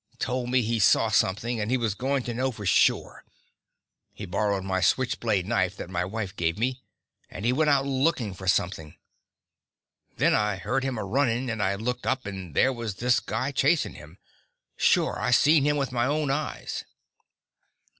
Told me he saw something, and he was going to know for sure. He borrowed my switch blade knife that my wife gave me. And he went out looking for something. Then I heard him a running, and I looked up, and there was this guy, chasing him. Sure, I seen him with my own eyes."